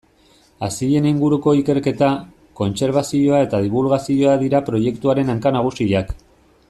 Hazien inguruko ikerketa, kontserbazioa eta dibulgazioa dira proiektuaren hanka nagusiak.